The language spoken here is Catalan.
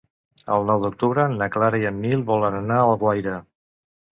El nou d'octubre na Clara i en Nil volen anar a Alguaire.